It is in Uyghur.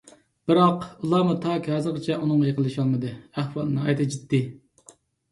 بىراق، ئۇلارمۇ تاكى ھازىرغىچە ئۇنىڭغا يېقىنلىشالمىدى. ئەھۋال ناھايىتى جىددىي.